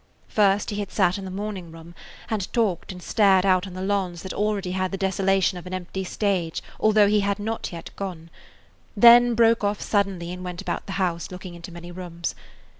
First he had sat in the morning room and talked and stared out on the lawns that already had the desolation of an empty stage, although he had not yet gone; then broke off suddenly and went about the house, looking into many rooms.